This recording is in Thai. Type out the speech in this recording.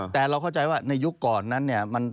แต่เราเข้าใจว่าในยุคก่อนนั้นเนี่ย